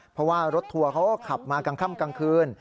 เพราะว่ารถทัวร์เขาก็ขับมากลางค่ำกลางคืน